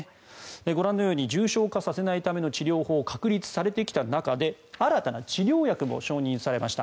ご覧のように重症化させないための治療法が確立されてきた中で新たな治療薬も承認されました。